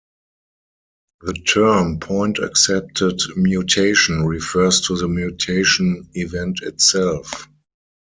The term 'point accepted mutation' refers to the mutation event itself.